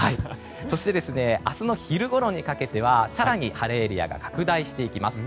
そして明日の昼ごろにかけては更に晴れエリアが拡大していきます。